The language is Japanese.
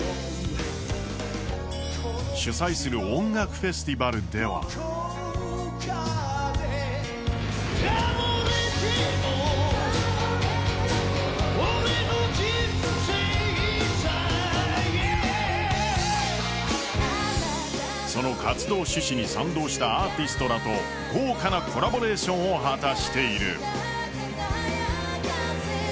主催する音楽フェスティバルではその活動趣旨に賛同したアーティストらと、豪華なコラボレーションを果たしている。